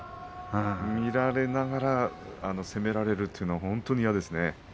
見られながら攻められるというのは本当に嫌ですね。